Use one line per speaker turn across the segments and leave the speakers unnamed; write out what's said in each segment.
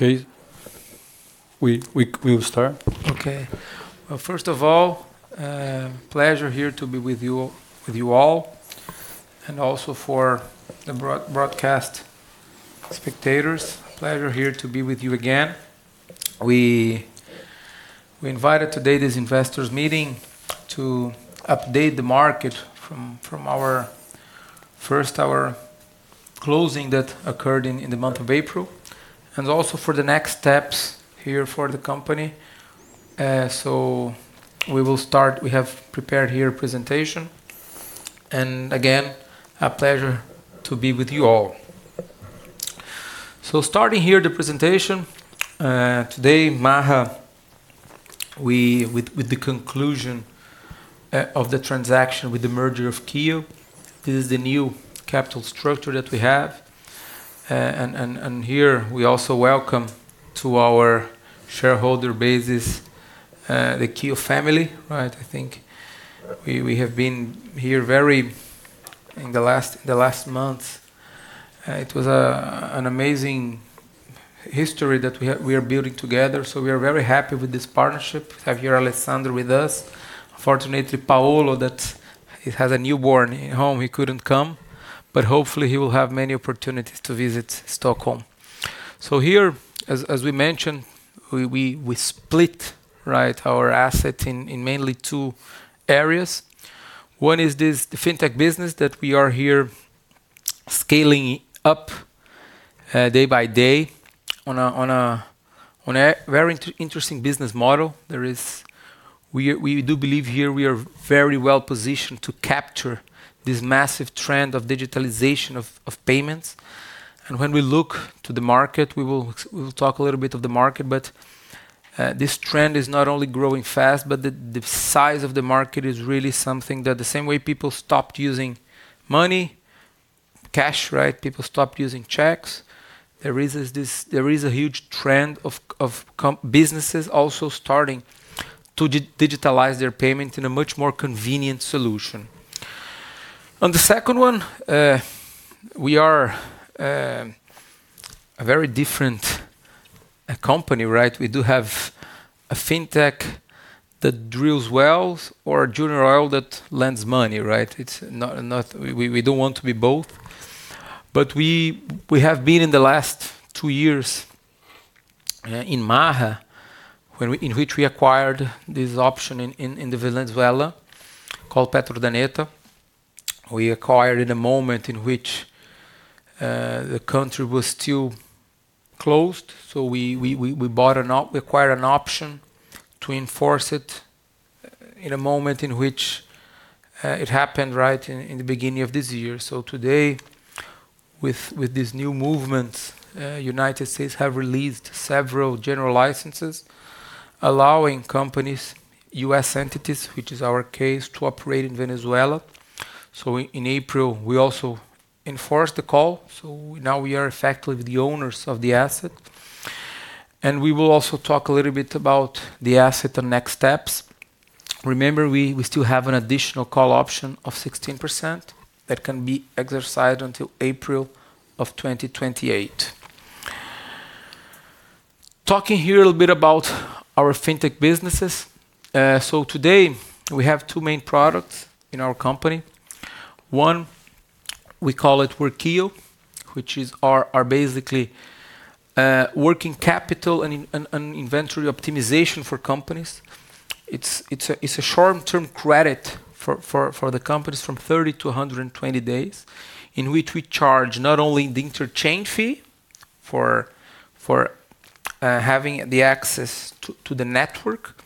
Okay. We will start.
Okay. Well, first of all, pleasure here to be with you all, and also for the broadcast spectators, pleasure here to be with you again. We invited today this investors meeting to update the market from our first, our closing that occurred in the month of April, and also for the next steps here for the company. We will start. We have prepared here a presentation. Again, a pleasure to be with you all. Starting here the presentation, today, Maha, we with the conclusion of the transaction with the merger of KEO, this is the new capital structure that we have. And here we also welcome to our shareholder bases, the KEO family, right? I think we have been here very in the last, the last month, it was an amazing history that we are building together, so we are very happy with this partnership. We have here Alessandro with us. Unfortunately, Paolo that he has a newborn at home, he couldn't come, but hopefully he will have many opportunities to visit Stockholm. Here, as we mentioned, we split, right, our asset in mainly two areas. One is this, the fintech business that we are here scaling up, day by day on a very interesting business model. We do believe here we are very well-positioned to capture this massive trend of digitalization of payments. When we look to the market, we will talk a little bit of the market, but this trend is not only growing fast, but the size of the market is really something that the same way people stopped using money, cash, right? People stopped using cheques. There is a huge trend of businesses also starting to digitalize their payment in a much more convenient solution. On the 2nd one, we are a very different company, right? We do have a fintech that drills wells or a junior oil that lends money, right? It's not We don't want to be both. We have been in the last 2 years in Maha, in which we acquired this option in Venezuela called Petrodelta. We acquired in a moment in which the country was still closed, so we acquired an option to enforce it in a moment in which it happened right in the beginning of this year. Today, with this new movement, United States have released several general licenses allowing companies, U.S. entities, which is our case, to operate in Venezuela. In April, we also enforced the call, now we are effectively the owners of the asset. We will also talk a little bit about the asset and next steps. Remember, we still have an additional call option of 16% that can be exercised until April of 2028. Talking here a little bit about our fintech businesses. Today we have two main products in our company. One, we call it Workeo, which is our basically, working capital and inventory optimization for companies. It's a short-term credit for the companies from 30 days to 120 days, in which we charge not only the interchange fee for having the access to the network,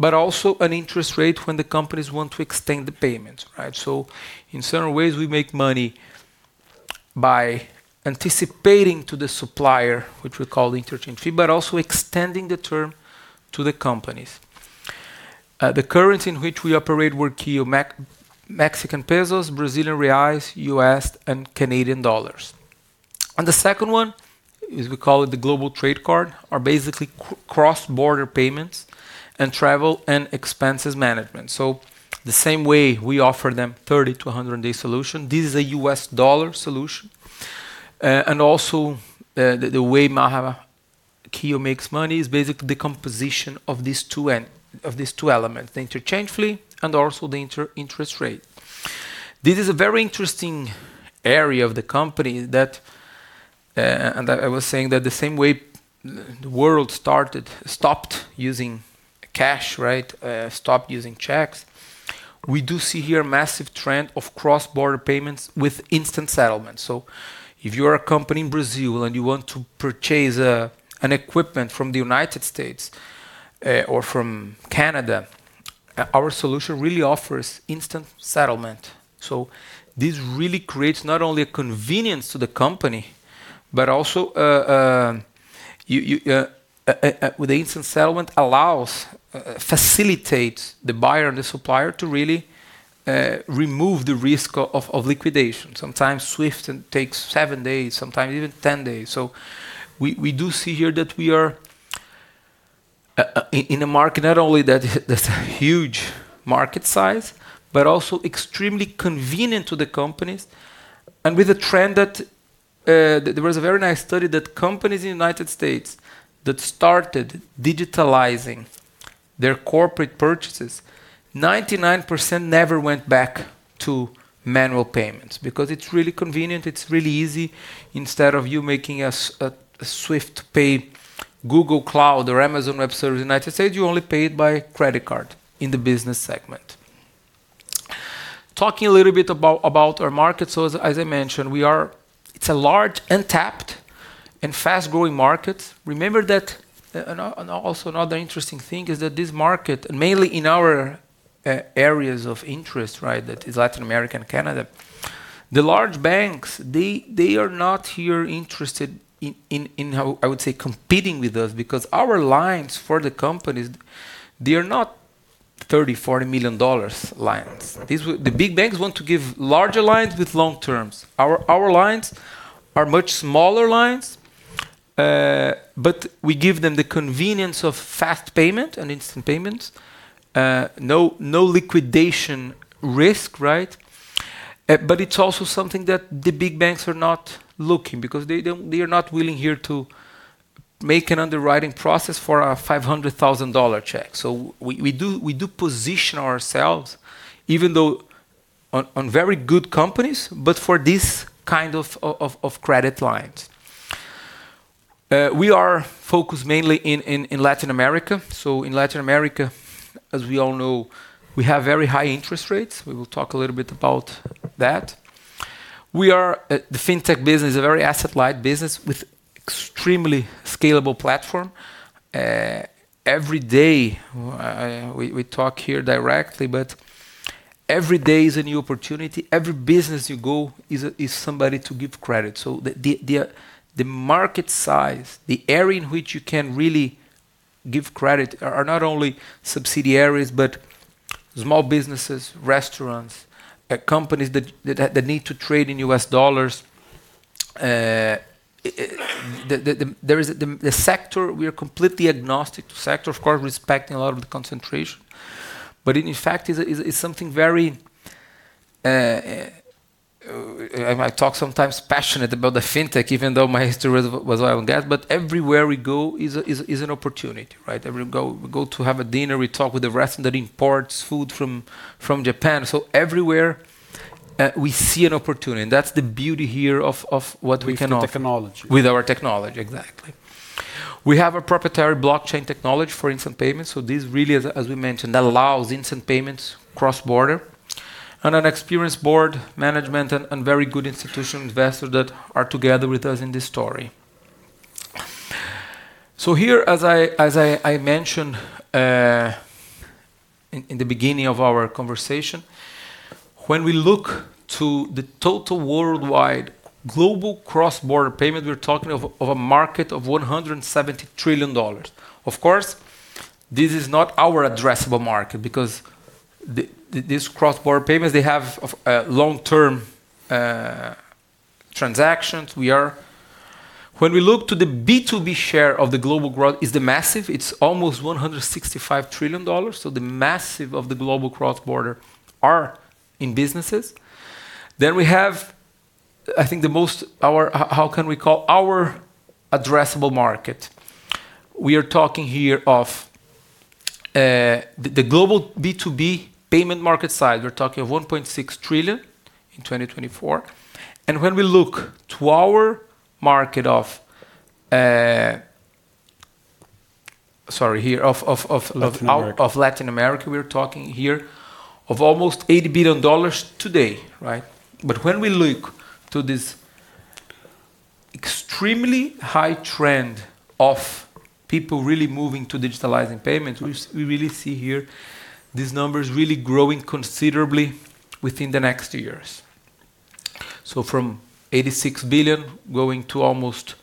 but also an interest rate when the companies want to extend the payment, right? In certain ways, we make money by anticipating to the supplier, which we call the interchange fee, but also extending the term to the companies. The currency in which we operate Workeo, Mexican pesos, Brazilian reais, U.S. dollars, and Canadian dollars. The second one is we call it the Global Trade Card, are basically cross-border payments and travel and expenses management. The same way we offer them 30 days to 100-day solution, this is a U.S. dollar solution. Also, the way Maha Workeo makes money is basically the composition of these two elements, the interchange fee and also the interest rate. This is a very interesting area of the company that, and I was saying that the same way the world stopped using cash, right? Stopped using cheques. We do see here a massive trend of cross-border payments with instant settlement. If you are a company in Brazil and you want to purchase an equipment from the United States or from Canada, our solution really offers instant settlement. This really creates not only a convenience to the company, but also, with the instant settlement allows, facilitates the buyer and the supplier to really remove the risk of liquidation. Sometimes SWIFT takes 7 days, sometimes even 10 days. We do see here that we are in a market not only that's a huge market size, but also extremely convenient to the companies. With a trend that there was a very nice study that companies in the United States that started digitalizing their corporate purchases, 99% never went back to manual payments because it's really convenient, it's really easy. Instead of you making a SWIFT pay Google Cloud or Amazon Web Services in the United States you only pay it by credit card in the business segment. Talking a little bit about our market. As I mentioned, it's a large, untapped and fast-growing market. Remember that, and also another interesting thing is that this market, and mainly in our areas of interest, right, that is Latin America and Canada, the large banks, they are not here interested in competing with us because our lines for the companies, they are not $30 million, $40 million lines. The big banks want to give larger lines with long terms. Our lines are much smaller lines, but we give them the convenience of fast payment and instant payments. No liquidation risk, right? It's also something that the big banks are not looking because they are not willing here to make an underwriting process for a $500,000 cheque. We do position ourselves, even though on very good companies, but for this kind of credit lines. We are focused mainly in Latin America. In Latin America, as we all know, we have very high interest rates. We will talk a little bit about that. We are the fintech business, a very asset light business with extremely scalable platform. Every day, we talk here directly, but every day is a new opportunity. Every business you go is somebody to give credit. The market size, the area in which you can really give credit are not only subsidiaries, but small businesses, restaurants, companies that need to trade in U.S. dollars. There is the sector, we are completely agnostic to sector, of course, respecting a lot of the concentration. In fact is something very... I might talk sometimes passionate about the fintech, even though my history was around gas. Everywhere we go is an opportunity, right? Everywhere we go, we go to have a dinner, we talk with the restaurant that imports food from Japan. Everywhere we see an opportunity, and that's the beauty here of what we can offer.
With the technology.
With our technology. Exactly. We have a proprietary blockchain technology for instant payments. This really, as we mentioned, that allows instant payments cross-border. An experienced board management and very good institution investors that are together with us in this story. Here, as I mentioned, in the beginning of our conversation, when we look to the total worldwide global cross-border payment, we're talking of a market of $170 trillion. Of course, this is not our addressable market because the, this cross-border payments, they have long-term transactions. When we look to the B2B share of the global growth is the massive, it's almost $165 trillion. The massive of the global cross-border are in businesses. We have, I think, how can we call our addressable market. We are talking here of the global B2B payment market size. We're talking of $1.6 trillion in 2024. When we look to our market of, sorry, here, of Latin America, we're talking here of almost $80 billion today, right? When we look to this extremely high trend of people really moving to digitalizing payments, we really see here these numbers really growing considerably within the next years. From $86 billion growing to almost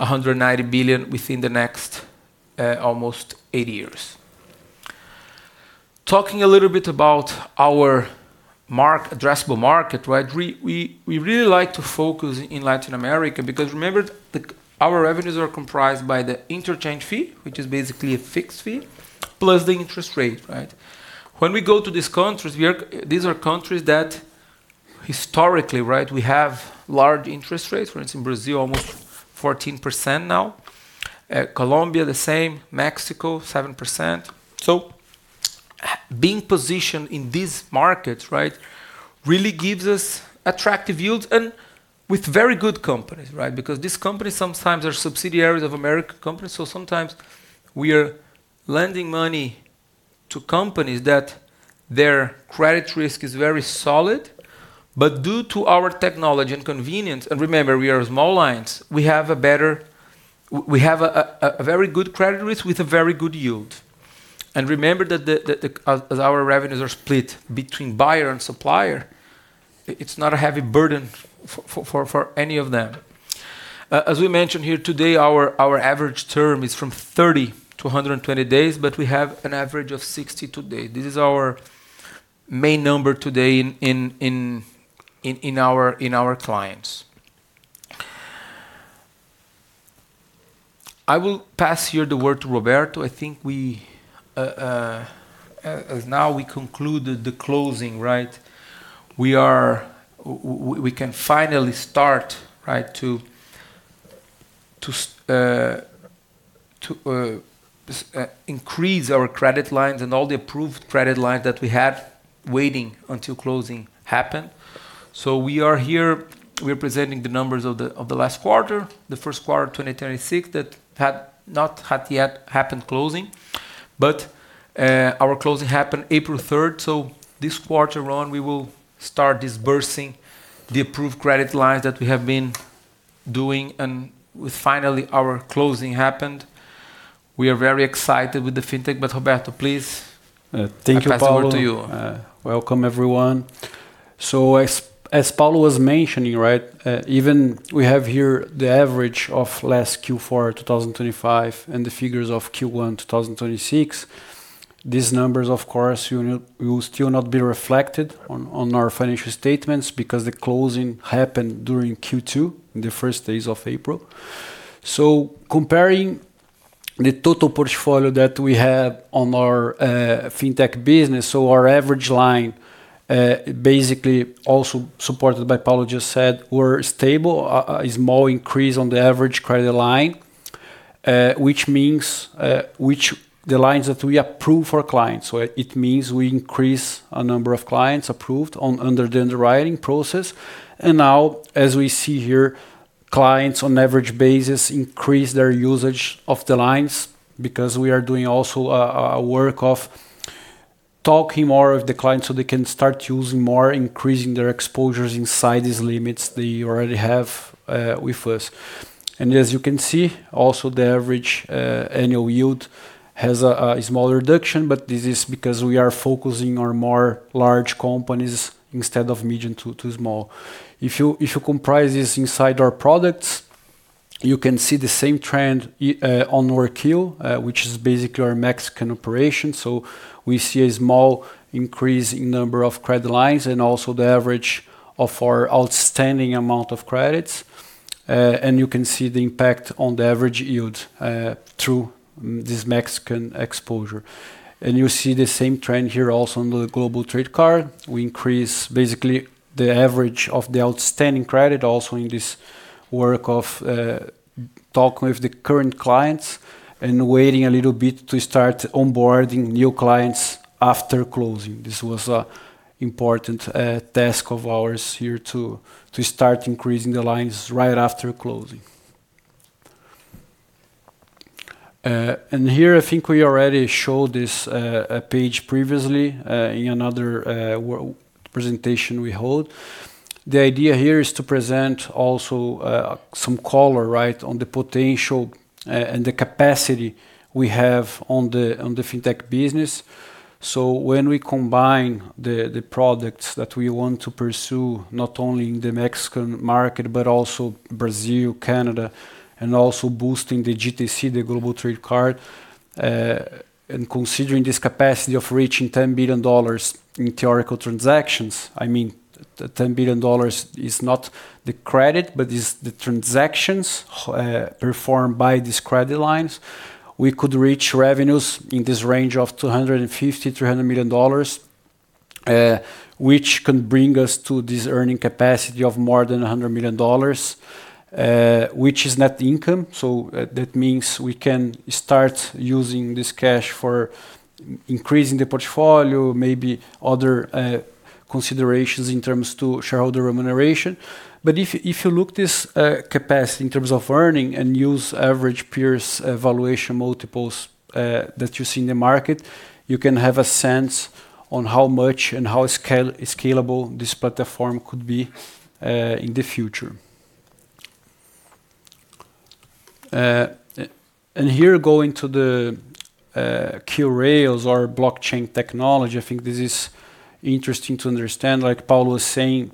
$190 billion within the next almost 8 years. Talking a little bit about our addressable market, right? We really like to focus in Latin America because remember our revenues are comprised by the interchange fee, which is basically a fixed fee, plus the interest rate, right? When we go to these countries, these are countries that historically, right, we have large interest rates. For instance, Brazil, almost 14% now. Colombia, the same. Mexico, 7%. Being positioned in these markets, right, really gives us attractive yields and with very good companies, right? Because these companies sometimes are subsidiaries of American companies. Sometimes we are lending money to companies that their credit risk is very solid. Due to our technology and convenience, and remember, we are small lines, we have a very good credit risk with a very good yield. Remember that the, as our revenues are split between buyer and supplier, it's not a heavy burden for any of them. As we mentioned here today, our average term is from 30 days to 120 days, but we have an average of 60 days today. This is our main number today in our clients. I will pass here the word to Roberto. I think we, as now we concluded the closing, right? We can finally start, right, to increase our credit lines and all the approved credit lines that we had waiting until closing happened. We are here, we are presenting the numbers of the last quarter, the first quarter 2026 that had not yet happened closing. But our closing happened April 3rd, this quarter on we will start disbursing the approved credit lines that we have been doing and with finally our closing happened. We are very excited with the fintech. Roberto, please...
Thank you, Paulo
I pass over to you.
Welcome, everyone. As Paulo was mentioning, right, even we have here the average of last Q4 2025 and the figures of Q1 2026. These numbers, of course, will still not be reflected on our financial statements because the closing happened during Q2, in the first days of April. Comparing the total portfolio that we have on our fintech business, our average line, basically also supported by Paulo just said, we're stable. A small increase on the average credit line, which means, which the lines that we approve for clients. It means we increase a number of clients approved under the underwriting process. Now, as we see here, clients on average basis increase their usage of the lines because we are doing also a work of talking more with the clients so they can start using more, increasing their exposures inside these limits they already have with us. As you can see, also the average annual yield has a small reduction, but this is because we are focusing on more large companies instead of medium to small. If you comprise this inside our products, you can see the same trend on our KEO, which is basically our Mexican operation. We see a small increase in number of credit lines and also the average of our outstanding amount of credits. And you can see the impact on the average yield through this Mexican exposure. You see the same trend here also on the Global Trade Card. We increase basically the average of the outstanding credit also in this work of talking with the current clients and waiting a little bit to start onboarding new clients after closing. This was a important task of ours here to start increasing the lines right after closing. Here, I think we already showed this page previously in another presentation we hold. The idea here is to present also some color, right, on the potential and the capacity we have on the fintech business. When we combine the products that we want to pursue, not only in the Mexican market, but also Brazil, Canada, and also boosting the GTC, the Global Trade Card, and considering this capacity of reaching $10 billion in theoretical transactions, I mean, the $10 billion is not the credit, but is the transactions performed by these credit lines. We could reach revenues in this range of $250 million-$300 million, which can bring us to this earning capacity of more than $100 million, which is net income. That means we can start using this cash for increasing the portfolio, maybe other considerations in terms to shareholder remuneration. If you look this capacity in terms of earning and use average pears valuation multiples that you see in the market, you can have a sense on how much and how scalable this platform could be in the future. Here, going to the QRails, our blockchain technology, I think this is interesting to understand. Like Paulo was saying,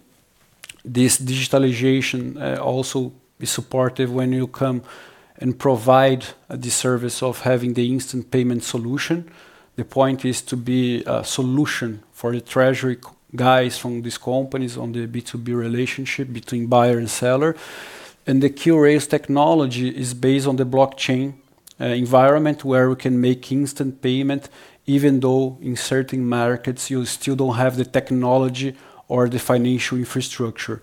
this digitalization also is supportive when you come and provide the service of having the instant payment solution. The point is to be a solution for the treasury guys from these companies on the B2B relationship between buyer and seller. The QRails technology is based on the blockchain environment where we can make instant payment, even though in certain markets you still don't have the technology or the financial infrastructure.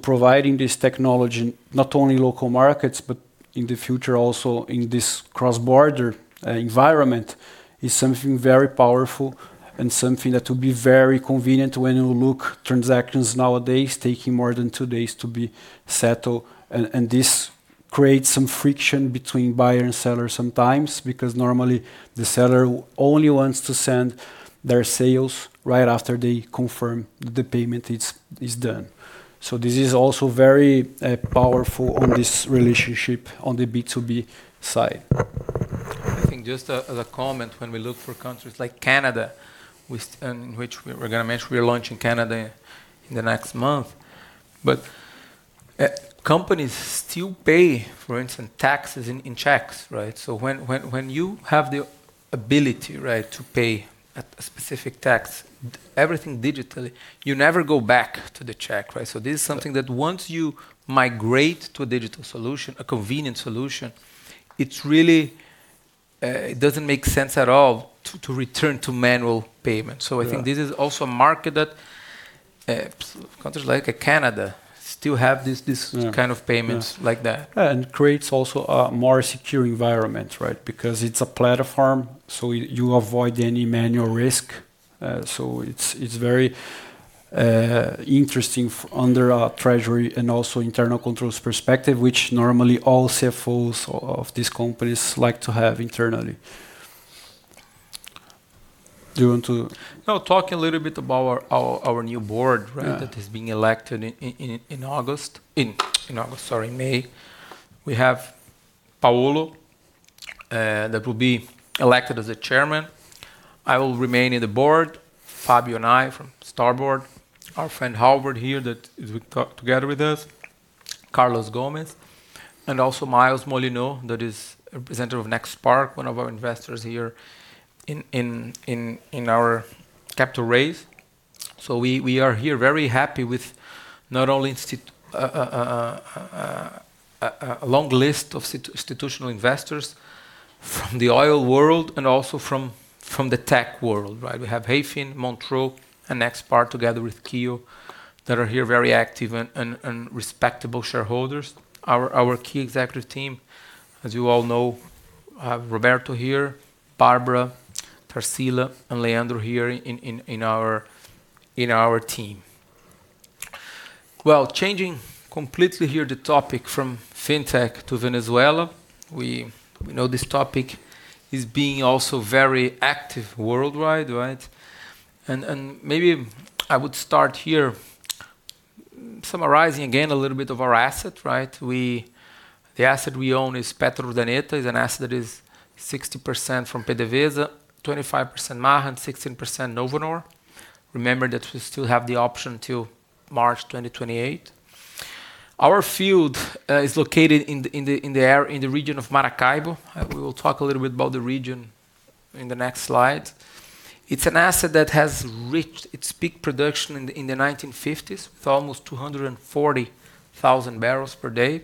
Providing this technology, not only in local markets, but in the future also in this cross-border environment, is something very powerful and something that will be very convenient when you look transactions nowadays taking more than 2 days to be settled. This creates some friction between buyer and seller sometimes, because normally the seller only wants to send their sales right after they confirm the payment is done. This is also very powerful on this relationship on the B2B side.
I think just as a comment, when we look for countries like Canada, which we're going to mention, we are launching Canada in the next month. Companies still pay, for instance, taxes in cheques, right? When you have the ability, right, to pay a specific tax everything digitally, you never go back to the cheque, right? This is something that once you migrate to a digital solution, a convenient solution, it's really, it doesn't make sense at all to return to manual payments.
Yeah.
I think this is also a market that countries like Canada still have kind of payments like that.
Yeah. Creates also a more secure environment, right? Because it's a platform, you avoid any manual risk. It's very interesting under a treasury and also internal controls perspective, which normally all CFOs of these companies like to have internally. Do you want to...
Now talk a little bit about our new board, right?
Yeah.
That is being elected in August. In August, sorry, May. We have Paolo that will be elected as a chairman. I will remain in the board, Fabio and I from Starboard. Our friend Halvard here that is We talk together with us, Carlos Gomez and also Miles Molineaux, that is a representative of NextPark, one of our investors here in our capital raise. We are here very happy with not only a long list of institutional investors from the oil world and also from the tech world, right? We have Hayfin, Montreux, and NextPark, together with Keel, that are here, very active and respectable shareholders. Our key executive team, as you all know, Roberto here, Barbara, Tarcila, and Leandro here in our team. Well, changing completely here the topic from fintech to Venezuela. We know this topic is being also very active worldwide, right? Maybe I would start here summarizing again a little bit of our asset, right? The asset we own is Petrodelta, is an asset that is 60% from PDVSA, 25% Maha, and 16% Novonor. Remember that we still have the option till March 2028. Our field is located in the area, in the region of Maracaibo. We will talk a little bit about the region in the next slide. It's an asset that has reached its peak production in the 1950s with almost 240,000 barrels per day,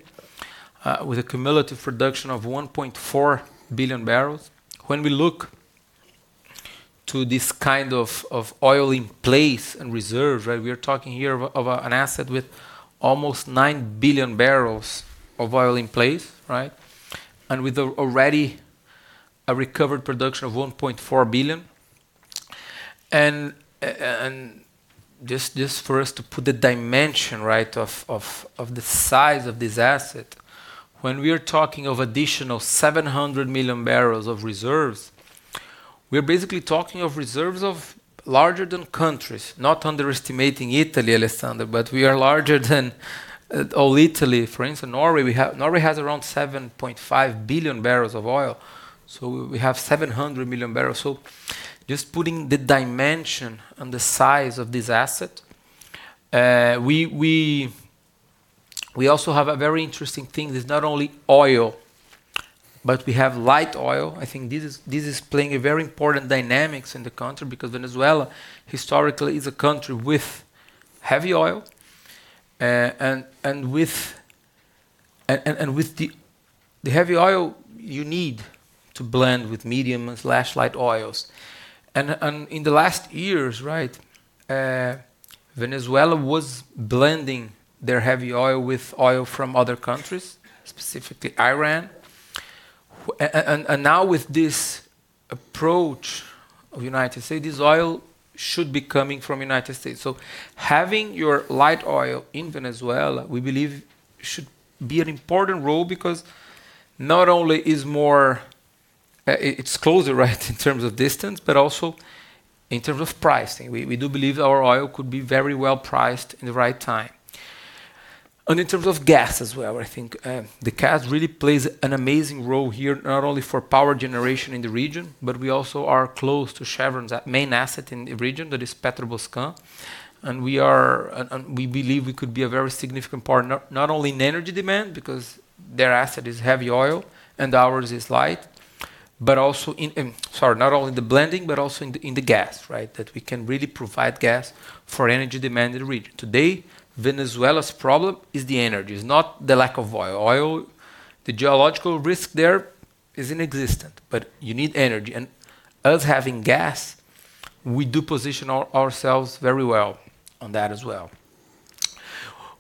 with a cumulative production of 1.4 billion barrels. When we look to this kind of oil in place and reserve, right? We are talking here of an asset with almost 9 billion barrels of oil in place, right? With already a recovered production of 1.4 billion. Just for us to put the dimension, right, of the size of this asset, when we are talking of additional 700 million barrels of reserves, we are basically talking of reserves of larger than countries. Not underestimating Italy, Alessandro, we are larger than all Italy. For instance, Norway, we have Norway has around 7.5 billion barrels of oil. We have 700 million barrels. Just putting the dimension and the size of this asset. We also have a very interesting thing. There's not only oil, but we have light oil. I think this is playing a very important dynamics in the country because Venezuela historically is a country with heavy oil, and with the heavy oil you need to blend with medium/light oils. In the last years, right, Venezuela was blending their heavy oil with oil from other countries, specifically Iran. Now with this approach of United States, this oil should be coming from United States. Having your light oil in Venezuela, we believe should be an important role because not only is more, it's closer, right, in terms of distance, but also in terms of pricing. We do believe our oil could be very well priced in the right time. In terms of gas as well, I think, the gas really plays an amazing role here, not only for power generation in the region, but we also are close to Chevron's main asset in the region, that is PetroBoscan. We believe we could be a very significant partner, not only in energy demand because their asset is heavy oil and ours is light, but also in Sorry, not only in the blending, but also in the gas, right? We can really provide gas for energy demand in the region. Today, Venezuela's problem is the energy. It is not the lack of oil. Oil, the geological risk there is inexistent, but you need energy. Us having gas, we do position ourselves very well on that as well.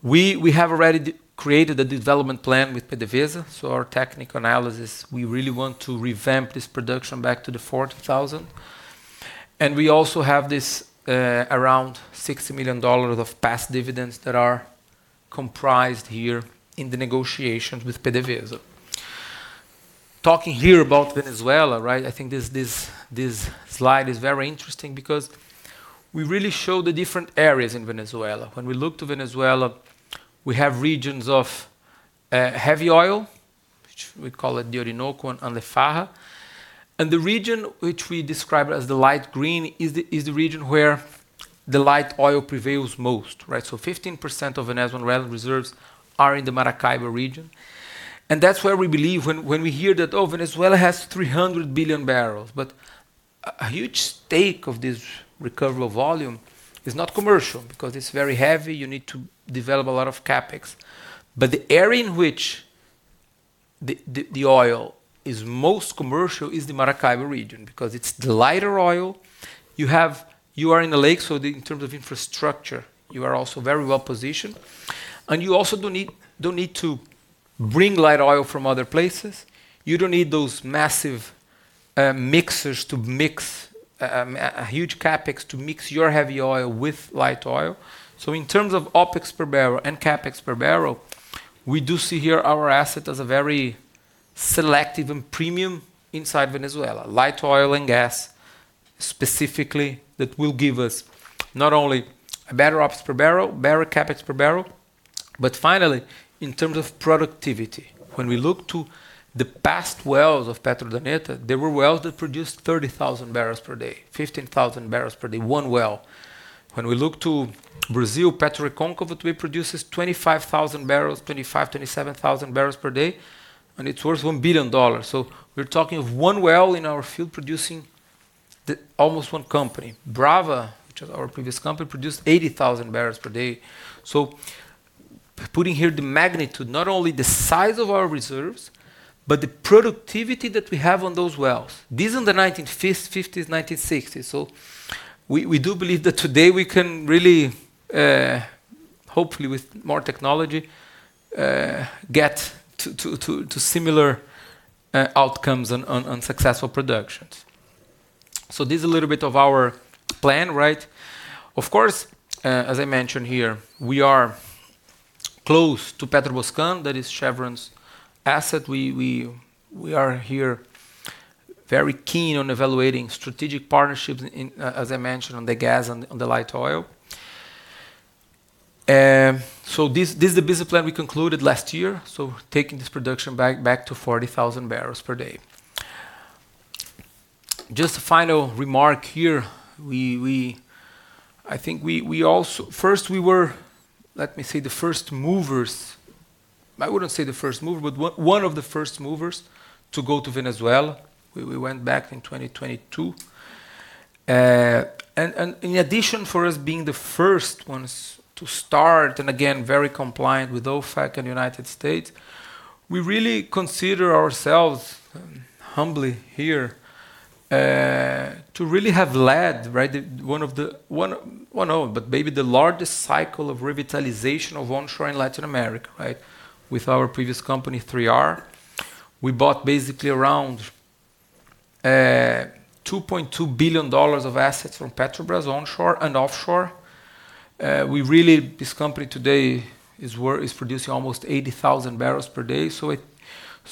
We have already created a development plan with PDVSA. Our technical analysis, we really want to revamp this production back to the 4,000. We also have this, around SEK 60 million of past dividends that are comprised here in the negotiations with PDVSA. Talking here about Venezuela, right? I think this slide is very interesting because we really show the different areas in Venezuela. When we look to Venezuela, we have regions of heavy oil, which we call it the Orinoco and Anzoátegui. The region which we describe as the light green is the region where the light oil prevails most, right? 15% of Venezuelan reserves are in the Maracaibo region. That's where we believe when we hear that, oh, Venezuela has 300 billion barrels, but a huge stake of this recoverable volume is not commercial because it's very heavy. You need to develop a lot of CapEx. The area in which the oil is most commercial is the Maracaibo region because it's the lighter oil. You are in the lake, so in terms of infrastructure, you are also very well-positioned. You also don't need to bring light oil from other places. You don't need those massive mixers to mix a huge CapEx to mix your heavy oil with light oil. In terms of OpEx per barrel and CapEx per barrel, we do see here our asset as a very selective and premium inside Venezuela. Light oil and gas specifically that will give us not only a better OpEx per barrel, better CapEx per barrel, but finally, in terms of productivity, when we look to the past wells of Petrodelta, there were wells that produced 30,000 barrels per day, 15,000 barrels per day, one well. When we look to Brazil, PetroReconcavo, that we produces 25,000 barrels, 25,000 barrels- 27,000 barrels per day, and it's worth SEK 1 billion. We're talking of one well in our field producing almost one company. Brava, which was our previous company, produced 80,000 barrels per day. Putting here the magnitude, not only the size of our reserves, but the productivity that we have on those wells. These are the 1950s, 1960s. We do believe that today we can really, hopefully with more technology, get to similar outcomes on successful productions. This is a little bit of our plan, right? Of course, as I mentioned here, we are close to PetroBoscan, that is Chevron's asset. We are here very keen on evaluating strategic partnerships in, as I mentioned, on the gas and on the light oil. This is the business plan we concluded last year, taking this production back to 40,000 barrels per day. Just a final remark here. I think we also were, let me say, the first movers. I wouldn't say the first mover, but one of the first movers to go to Venezuela. We went back in 2022. In addition, for us being the first ones to start, and again, very compliant with OFAC and United States we really consider ourselves humbly here to really have led one of, but maybe the largest cycle of revitalization of onshore in Latin America. With our previous company, 3R. We bought basically around $2.2 billion of assets from Petrobras onshore and offshore. This company today is producing almost 80,000 barrels per day.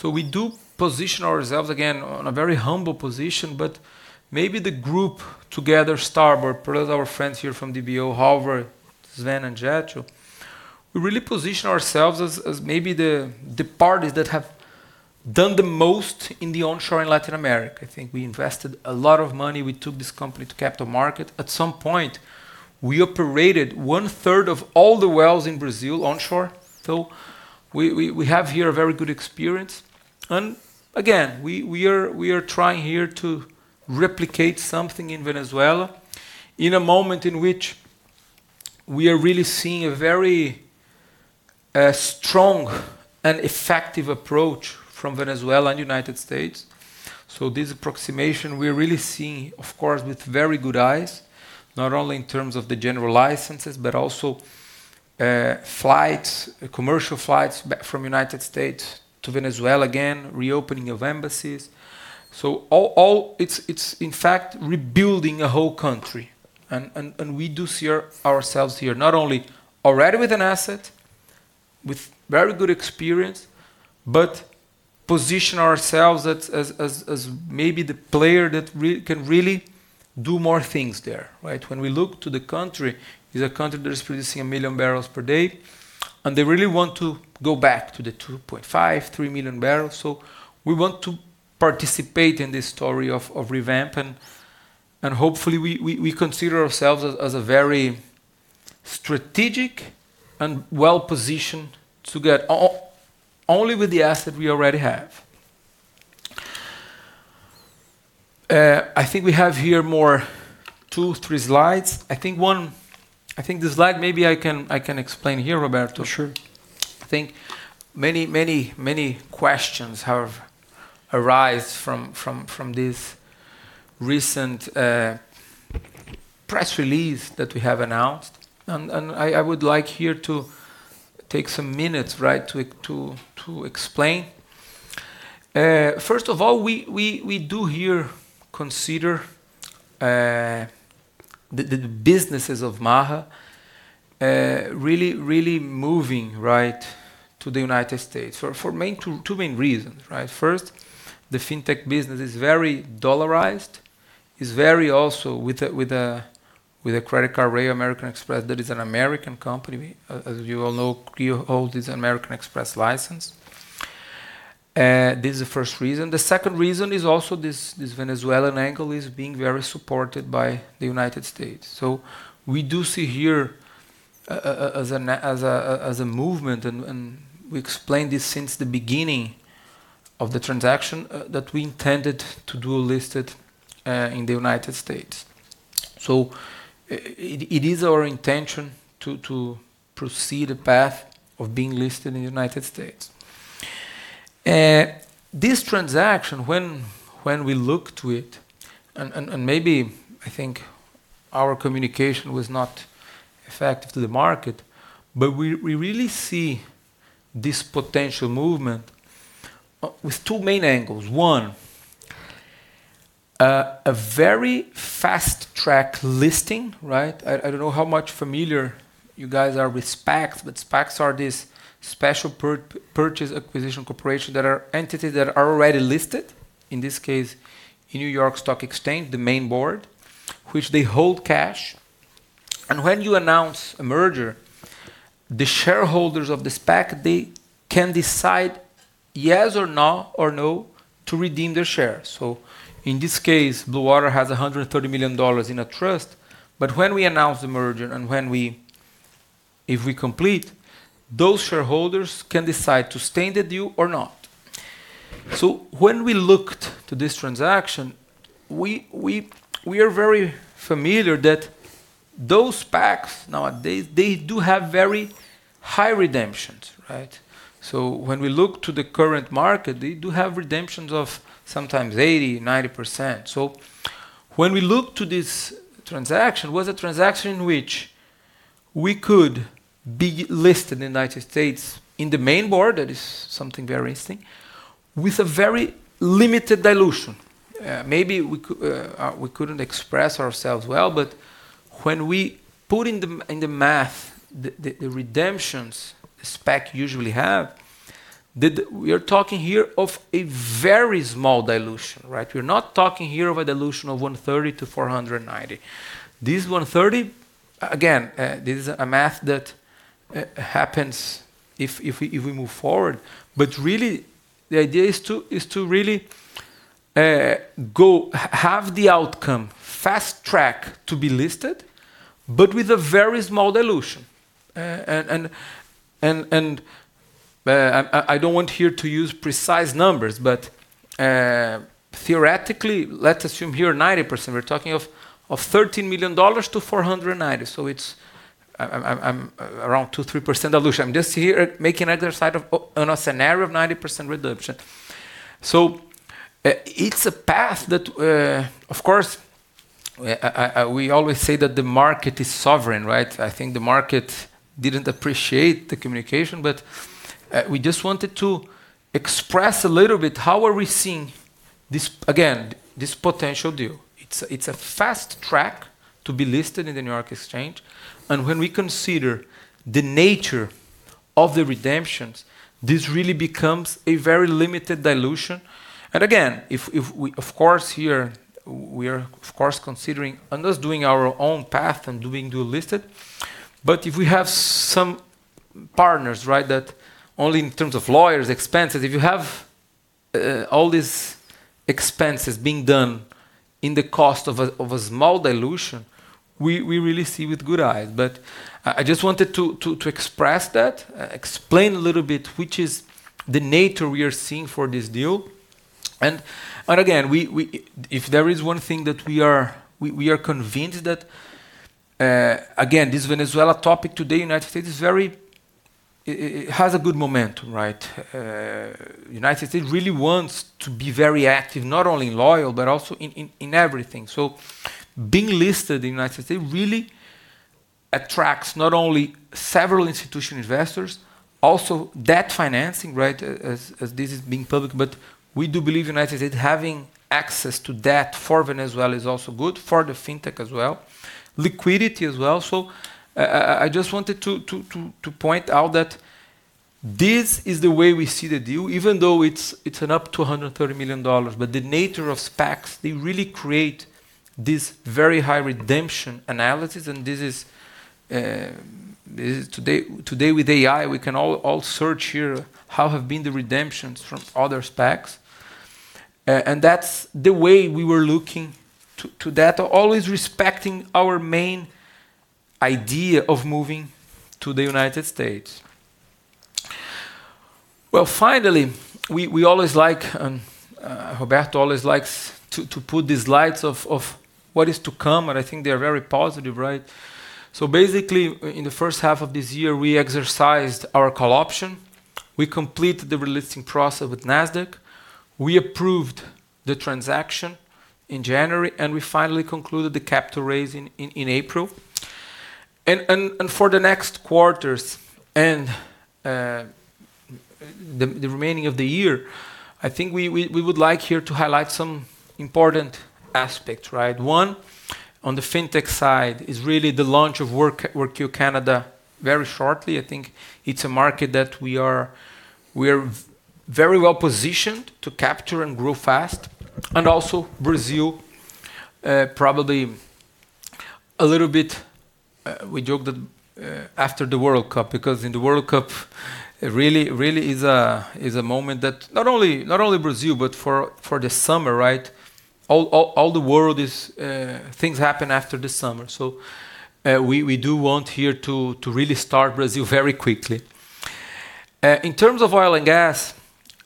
We do position ourselves, again, on a very humble position, but maybe the group together, Starboard, plus our friends here from DBO, Halvard, Sven, and Jetro, we really position ourselves as maybe the parties that have done the most in the onshore in Latin America. I think we invested a lot of money. We took this company to capital market. At some point, we operated one-third of all the wells in Brazil onshore. We have here a very good experience. Again, we are trying here to replicate something in Venezuela in a moment in which we are really seeing a very strong and effective approach from Venezuela and United States. This approximation, we're really seeing, of course, with very good eyes, not only in terms of the general licenses, but also flights, commercial flights back from United States to Venezuela again, reopening of embassies. All It's, in fact, rebuilding a whole country. We do see ourselves here not only already with an asset, with very good experience, but position ourselves as maybe the player that can really do more things there, right? When we look to the country, it's a country that is producing 1 million barrels per day, and they really want to go back to the 2.5 million barrels, 3 million barrels. We want to participate in this story of revamp, and hopefully, we consider ourselves as a very strategic and well-positioned to get only with the asset we already have. I think we have here more two, three slides. I think this slide, maybe I can explain here, Roberto.
Sure.
I think many questions have arisen from this recent press release that we have announced. I would like here to take some minutes, right, to explain. First of all, we do here consider the businesses of Maha really moving, right, to the United States for two main reasons, right? First, the fintech business is very dollarized. It's very also with a credit card, American Express, that is an American company. As you all know, KEO World is an American Express license. This is the first reason. The second reason is also this Venezuelan angle is being very supported by the United States. We do see here as a movement, and we explained this since the beginning of the transaction that we intended to do listed in the United States. It is our intention to proceed a path of being listed in the United States. This transaction, when we look to it, and maybe I think our communication was not effective to the market, but we really see this potential movement with two main angles. One, a very fast-track listing, right? I don't know how much familiar you guys are with SPACs, but SPACs are these special purchase acquisition corporation that are entities that are already listed, in this case, in New York Stock Exchange, the main board, which they hold cash. When you announce a merger, the shareholders of the SPAC, they can decide yes or no to redeem their shares. In this case, BlueOrchard has $130 million in a trust. When we announce the merger and if we complete, those shareholders can decide to stay in the deal or not. When we looked to this transaction, we are very familiar that those SPACs nowadays, they do have very high redemptions, right? When we look to the current market, they do have redemptions of sometimes 80%-90%. When we look to this transaction, it was a transaction which we could be listed in the United States in the main board, that is something very interesting, with a very limited dilution. Maybe we couldn't express ourselves well, when we put in the math the redemptions SPAC usually have, we are talking here of a very small dilution, right? We're not talking here of a dilution of $130 million-$490 million. This $130 million, again, this is a math that happens if we move forward. Really, the idea is to really have the outcome fast-track to be listed with a very small dilution. I don't want here to use precise numbers, theoretically, let's assume here 90%. We're talking of $13 million-$490 million. It's around 2%-3% dilution. I'm just here making on a scenario of 90% redemption. It's a path that, of course, we always say that the market is sovereign, right? I think the market didn't appreciate the communication, we just wanted to express a little bit how are we seeing this, again, this potential deal. It's a fast track to be listed in the New York Exchange. When we consider the nature of the redemptions, this really becomes a very limited dilution. Again, if we, of course, here we are of course considering and just doing our own path and doing dual listed. If we have some partners, right? That only in terms of lawyers, expenses, if you have all these expenses being done in the cost of a small dilution, we really see with good eyes. I just wanted to express that, explain a little bit which is the nature we are seeing for this deal. Again, if there is one thing that we are convinced that, again, this Venezuela topic today, United States is very, it has a good momentum, right? United States really wants to be very active, not only in oil, but also in everything. Being listed in United States really attracts not only several institutional investors, also debt financing, right? As this is being public, we do believe United States having access to debt for Venezuela is also good for the fintech as well, liquidity as well. I just wanted to point out that this is the way we see the deal, even though it's an up to $130 million. The nature of SPACs, they really create this very high redemption analysis, and this is today with AI, we can all search here how have been the redemptions from other SPACs. That's the way we were looking to that, always respecting our main idea of moving to the United States. Well, finally, we always like, and Roberto always likes to put these slides of what is to come, and I think they are very positive, right? Basically, in the first half of this year, we exercised our call option. We completed the relisting process with Nasdaq. We approved the transaction in January, and we finally concluded the capital raising in April. For the next quarters and the remaining of the year, I think we would like here to highlight some important aspects, right? One, on the fintech side is really the launch of Workeo Canada very shortly. I think it's a market that we are very well positioned to capture and grow fast. Also Brazil, probably a little bit, we joke that after the World Cup, because in the World Cup, it really is a moment that not only Brazil, but for the summer, right? Things happen after the summer. We do want here to really start Brazil very quickly. In terms of oil and gas,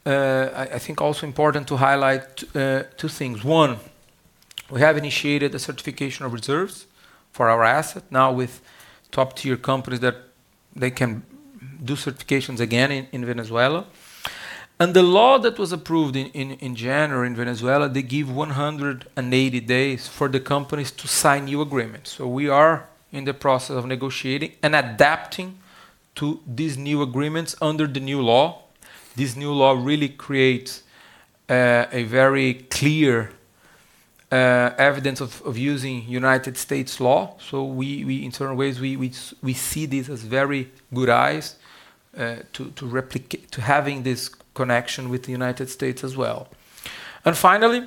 I think also important to highlight two things. One, we have initiated a certification of reserves for our asset now with top-tier companies that they can do certifications again in Venezuela. The law that was approved in January in Venezuela, they give 180 days for the companies to sign new agreements. We are in the process of negotiating and adapting to these new agreements under the new law. This new law really creates a very clear evidence of using United States law. We, in certain ways, we see this as very good eyes to replicate, to having this connection with the United States as well. Finally,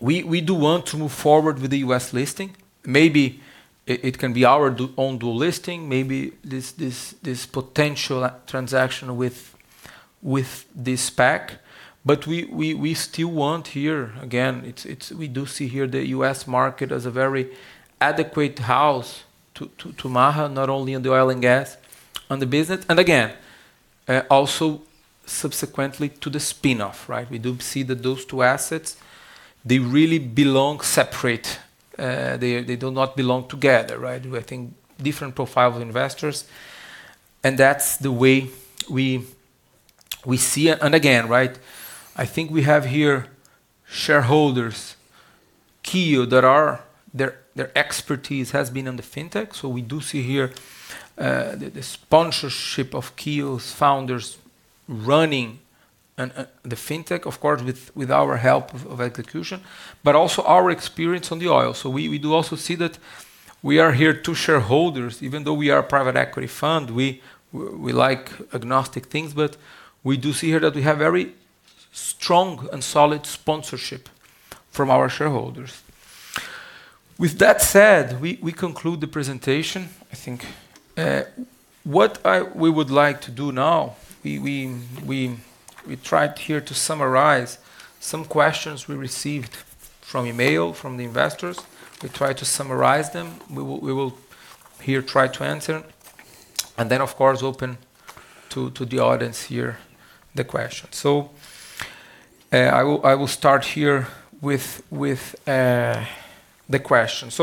we do want to move forward with the U.S. listing. Maybe it can be our own dual listing, maybe this potential transaction with this SPAC. We still want here, again, it's We do see here the U.S. market as a very adequate house to Maha, not only on the oil and gas, on the business, and again, also subsequently to the spin-off, right? We do see that those two assets, they really belong separate. They do not belong together, right? We're thinking different profile of investors, and that's the way we see it. Again, right, I think we have here shareholders, Keel, heir expertise has been on the fintech. We do see here the sponsorship of Keel's founders running the fintech, of course, with our help of execution, but also our experience on the oil. We do also see that we are here two shareholders. Even though we are a private equity fund, we like agnostic things, but we do see here that we have very strong and solid sponsorship from our shareholders. With that said, we conclude the presentation, I think. What we would like to do now, we tried here to summarize some questions we received from email, from the investors. We tried to summarize them. We will here try to answer, and then of course open to the audience here the questions. I will start here with the questions.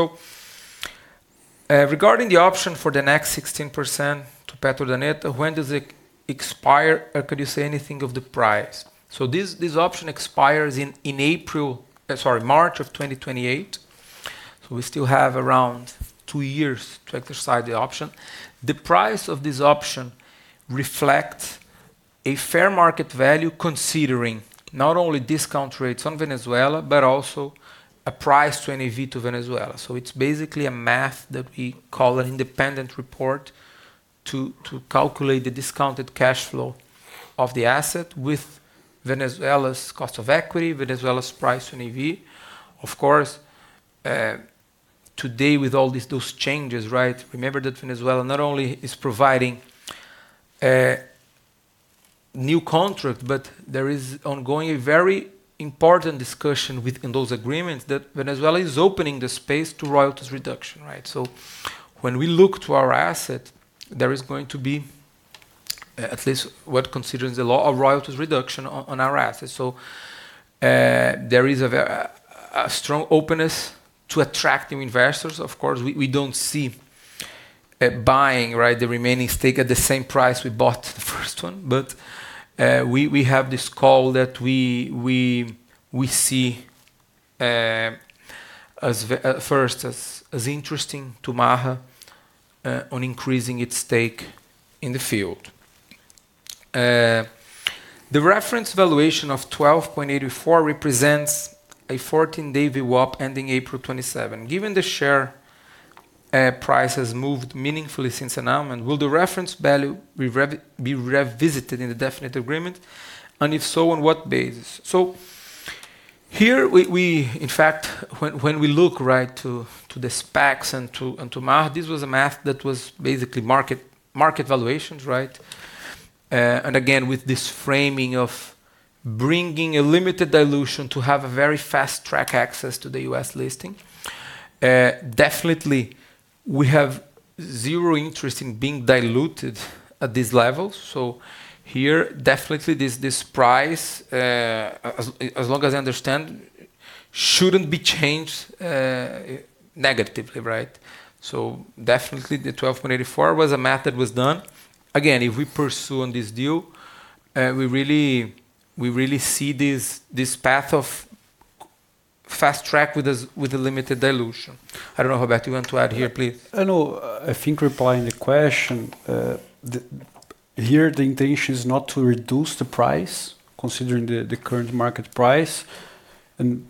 Regarding the option for the next 16% to Petrodelta, when does it expire, could you say anything of the price? This option expires in April, sorry, March of 2028. We still have around 2 years to exercise the option. The price of this option reflects a fair market value considering not only discount rates on Venezuela, but also a price to NAV to Venezuela. It's basically a math that we call an independent report to calculate the discounted cash flow of the asset with Venezuela's cost of equity, Venezuela's price to NAV. Of course, today with all these, those changes, right? Remember that Venezuela not only is providing a new contract, but there is ongoing, very important discussion within those agreements that Venezuela is opening the space to royalties reduction, right? When we look to our asset, there is going to be at least what considers the law of royalties reduction on our assets. There is a strong openness to attracting investors. Of course, we don't see, buying, right, the remaining stake at the same price we bought the first one. We have this call that we see as first as interesting to Maha on increasing its stake in the field. The reference valuation of 12.84 represents a 14-day VWAP ending April 27. Given the share price has moved meaningfully since announcement, will the reference value be revisited in the definite agreement? If so, on what basis? Here we, in fact, when we look, right, to the SPACs and to Maha, this was a math that was basically market valuations, right? And again, with this framing of bringing a limited dilution to have a very fast track access to the U.S. listing. Definitely we have zero interest in being diluted at this level. Here, definitely this price, as long as I understand, shouldn't be changed negatively, right? Definitely the 12.84 was a math that was done. Again, if we pursue on this deal, we really see this path of fast track with the limited dilution. I don't know, Roberto, you want to add here, please?
I know, I think replying to the question, the, here the intention is not to reduce the price considering the current market price, and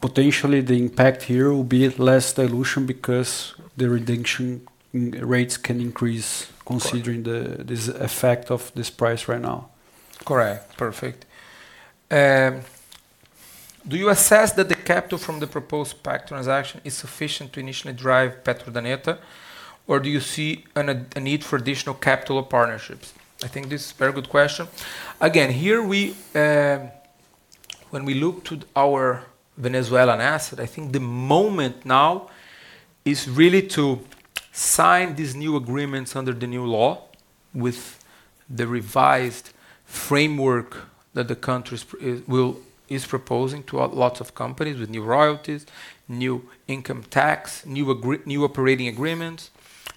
potentially the impact here will be less dilution because the redemption rates can increase considering this effect of this price right now.
Correct. Perfect. Do you assess that the capital from the proposed PAC transaction is sufficient to initially drive Petrodelta, or do you see a need for additional capital or partnerships? I think this is a very good question. Again, here we, when we look to our Venezuelan asset, I think the moment now is really to sign these new agreements under the new law with the revised framework that the country's will Is proposing to lots of companies with new royalties, new income tax, new operating agreements,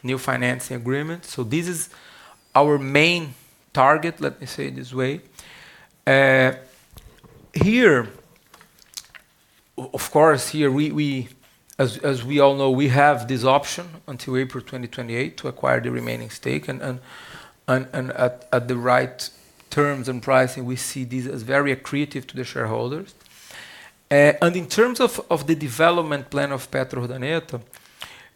new financing agreements. This is our main target, let me say it this way. Here, of course, here we, as we all know, we have this option until April 2028 to acquire the remaining stake, and at the right terms and pricing, we see this as very accretive to the shareholders. In terms of the development plan of Petrodelta,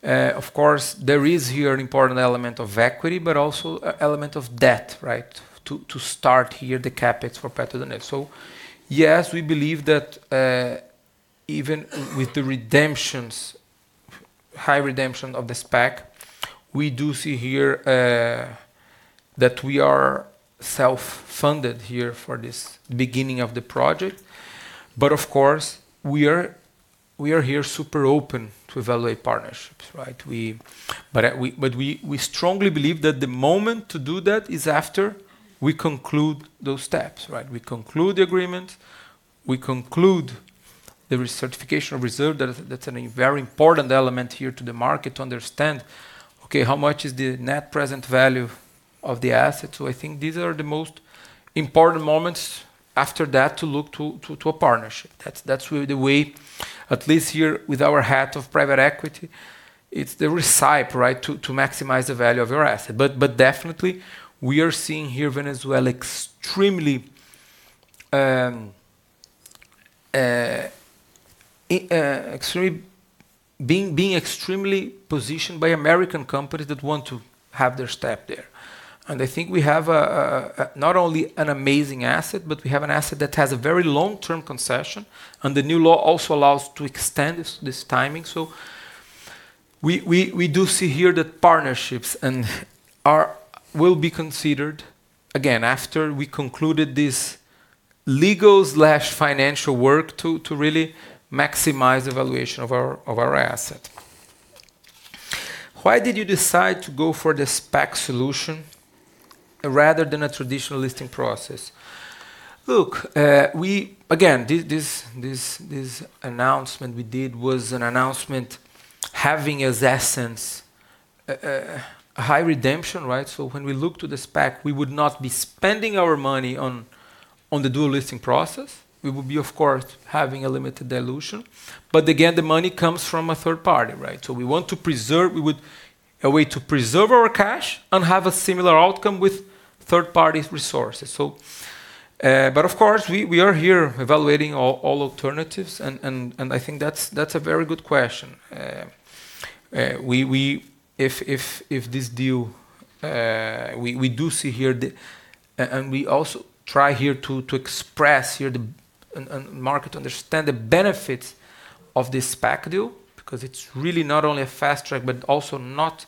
of course, there is here an important element of equity, but also an element of debt, right? To start here the CapEx for Petrodelta. Yes, we believe that even with the redemptions, high redemption of the SPAC, we do see here that we are self-funded here for this beginning of the project. Of course, we are here super open to evaluate partnerships, right? We strongly believe that the moment to do that is after we conclude those steps, right? We conclude the agreement, we conclude the recertification reserve. That is, that's a very important element here to the market to understand, okay, how much is the net present value of the asset. I think these are the most important moments after that to look to a partnership. That's, that's really the way, at least here with our hat of private equity, it's the recipe, right? To maximize the value of your asset. Definitely, we are seeing here Venezuela extremely positioned by American companies that want to have their step there. I think we have a not only an amazing asset, but we have an asset that has a very long-term concession, and the new law also allows to extend this timing. We do see here that partnerships and are, will be considered, again, after we concluded this legal/financial work to really maximize the valuation of our asset. Why did you decide to go for the SPAC solution rather than a traditional listing process? Look, we Again, this announcement we did was an announcement having as essence a high redemption, right? When we look to the SPAC, we would not be spending our money on the dual listing process. We would be, of course, having a limited dilution. Again, the money comes from a third party, right? We want to preserve, a way to preserve our cash and have a similar outcome with third party's resources. But of course, we are here evaluating all alternatives, and I think that's a very good question. We, if this deal, we do see here the market understand the benefits of this SPAC deal, because it's really not only a fast track, but also not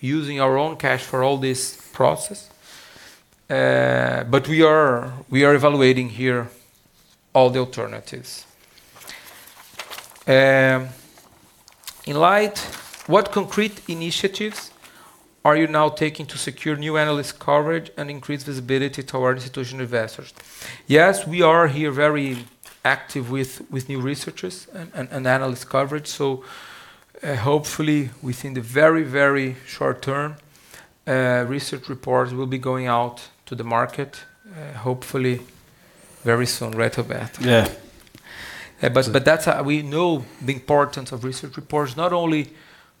using our own cash for all this process. We are evaluating here all the alternatives. In light, what concrete initiatives are you now taking to secure new analyst coverage and increase visibility toward institutional investors? Yes, we are here very active with new researchers and analyst coverage. Hopefully within the very, very short term, research reports will be going out to the market, hopefully very soon, right, Roberto?
Yeah.
But that's, we know the importance of research reports, not only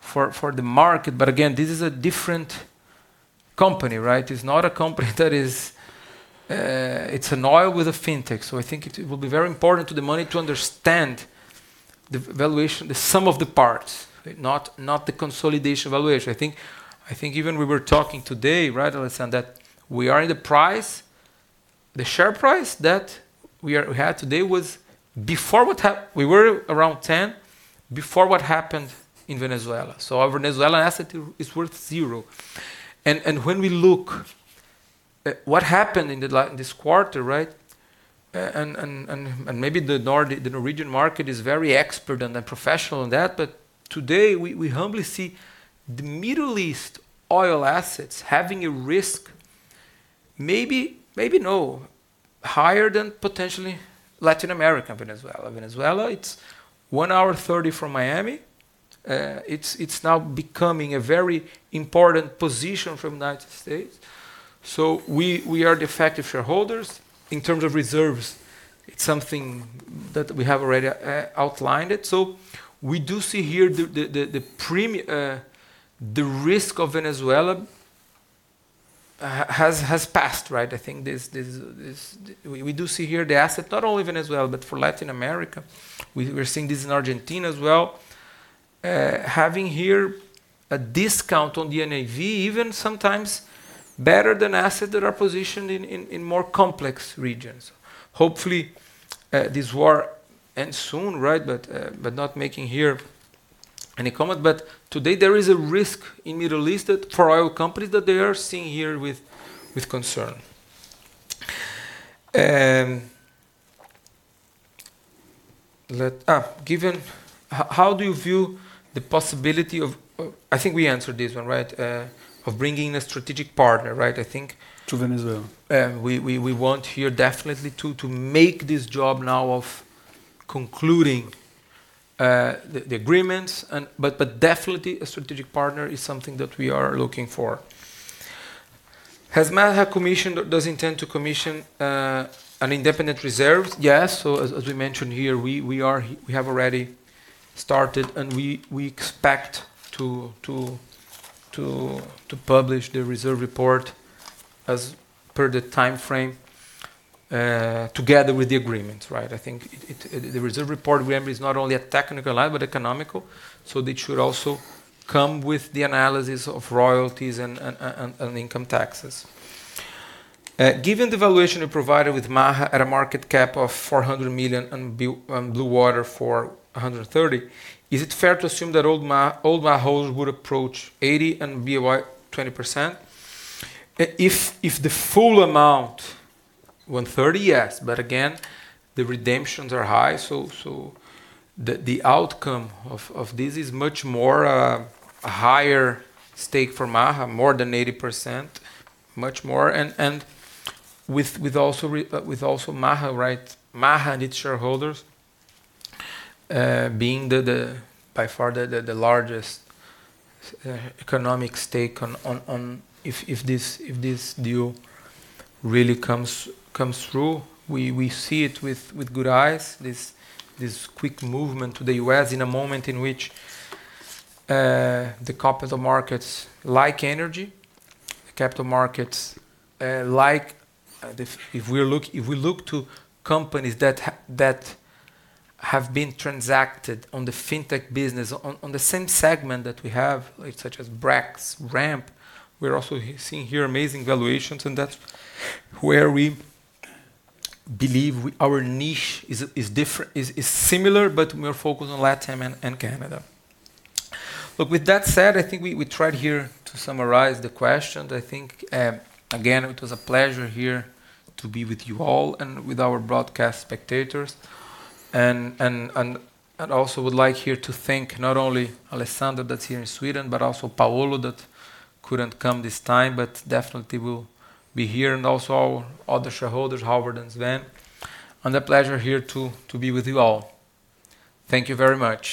for the market, but again, this is a different company, right? It's not a company that is an oil with a fintech. I think it will be very important to the money to understand the valuation, the sum of the parts, right? Not the consolidation valuation. I think even we were talking today, right, Alessandro, that we are in the price, the share price that we are, we had today was before that were around 10. Before what happened in Venezuela. Our Venezuelan asset is worth zero. When we look at what happened in this quarter, right? Maybe the Norwegian market is very expert and professional in that. Today, we humbly see the Middle East oil assets having a risk no higher than potentially Latin America, Venezuela. Venezuela, it's 1.5 hours from Miami. It's now becoming a very important position from United States. We are the effective shareholders. In terms of reserves, it's something that we have already outlined it. We do see here the risk of Venezuela has passed, right? I think this We do see here the asset, not only Venezuela, but for Latin America. We're seeing this in Argentina as well. Having here a discount on the NAV, even sometimes better than assets that are positioned in more complex regions. Hopefully, this war ends soon, right? Not making here any comment. Today there is a risk in Middle East that for oil companies that they are seeing here with concern. Let given how do you view the possibility of I think we answered this 1, right? Of bringing a strategic partner, right?
To Venezuela.
We want here definitely to make this job now of concluding the agreements and definitely a strategic partner is something that we are looking for. Has Maha commissioned or does intend to commission an independent reserves? Yes. As we mentioned here, we have already started, and we expect to publish the reserve report as per the timeframe together with the agreement, right? I think the reserve report, remember, is not only a technical analysis, but economical, so it should also come with the analysis of royalties and income taxes. Given the valuation you provided with Maha at a market cap of $400 million and Blue Ocean for $130 million, is it fair to assume that all Maha holders would approach 80% and BOI 20%? If the full amount, 130 million, yes. Again, the redemptions are high, the outcome of this is much more a higher stake for Maha, more than 80%, much more. With also Maha, right, Maha and its shareholders, being by far the largest economic stake on. If this deal really comes through, we see it with good eyes, this quick movement to the U.S. in a moment in which the capital markets like energy, the capital markets, like If we look to companies that have been transacted on the fintech business, on the same segment that we have, like such as Brex, Ramp, we're also seeing here amazing valuations, and that's where we believe our niche is similar, but we are focused on LatAm and Canada. Look, with that said, I think we tried here to summarize the questions. I think, again, it was a pleasure here to be with you all and with our broadcast spectators. I'd also would like here to thank not only Alessandro that's here in Sweden, but also Paolo that couldn't come this time, but definitely will be here, and also our other shareholders, Halvard and Sven. A pleasure here to be with you all. Thank you very much.